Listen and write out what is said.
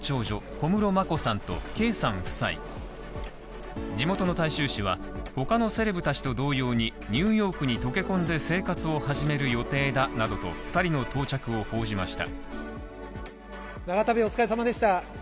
小室眞子さんと圭さん夫妻、地元の大衆紙は他のセレブたちと同様に、ニューヨークに溶け込んで生活を始める予定だなどと、２人の到着を報じました。